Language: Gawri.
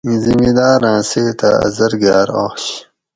اِیں زِمیداۤراۤں سئتہ ا زرگاۤر آش